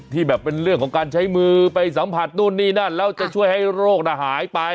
แบบเป็นเรื่องของการใช้มือไปสัมผัสนู่นนี่นั่นแล้วจะช่วยให้โรคน่ะหายไป